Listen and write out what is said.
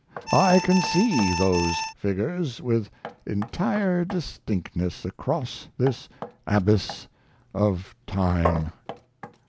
I can see those figures with entire distinctness across this abyss of time.